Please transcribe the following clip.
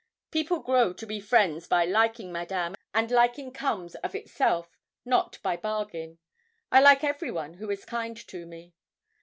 'People grow to be friends by liking, Madame, and liking comes of itself, not by bargain; I like every one who is kind to me.'